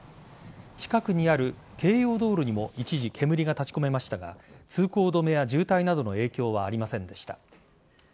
近くにある京葉道路にも一時、煙が立ちこめましたが通行止めや渋滞などの影響はありませんでした。